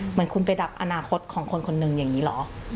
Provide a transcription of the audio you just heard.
เหมือนคุณไปดับอนาคตของคนคนหนึ่งอย่างนี้เหรอ